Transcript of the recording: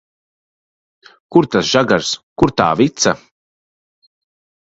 Kur tas žagars, kur tā vica?